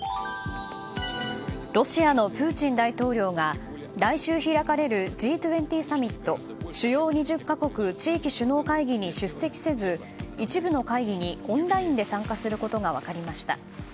ロシアのプーチン大統領が来週開かれるＧ２０サミット・主要２０か国・地域首脳会議に出席せず、一部の会議にオンラインで参加することが分かりました。